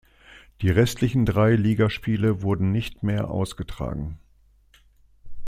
Die restlichen drei Ligaspiele wurden nicht mehr ausgetragen.